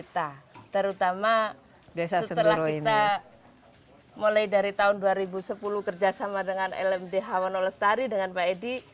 terutama setelah kita mulai dari tahun dua ribu sepuluh kerjasama dengan lmd hawano lestari dengan pak edi